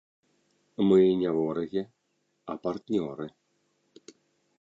Мы не ворагі, а партнёры.